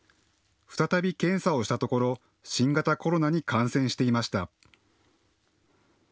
再び検査をしたところ、新型コロナに感染していました。